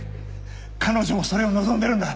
彼女もそれを望んでるんだ。